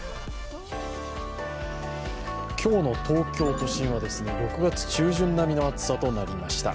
今日の東京都心は６月中旬並みの暑さとなりました。